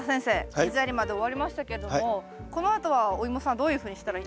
水やりまで終わりましたけれどもこのあとはおイモさんどういうふうにしたらいいんですか？